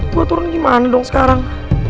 buat turun gimana dong sekarang